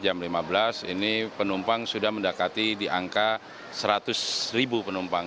jam lima belas ini penumpang sudah mendekati di angka seratus ribu penumpang